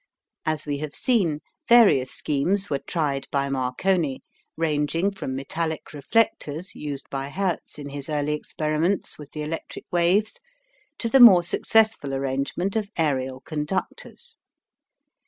As we have seen, various schemes were tried by Marconi ranging from metallic reflectors used by Hertz in his early experiments with the electric waves to the more successful arrangement of aerial conductors.